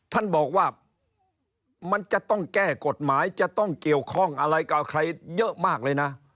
ท่านบอกว่ามันจะต้องแก้กฎหมายจะต้องเกี่ยวข้องอะไรกับใครเยอะมากเลยนะ